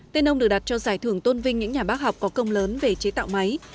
tên ông được đặt cho giải thưởng tôn vinh những nhà bác học có công lớn về chế tạo máy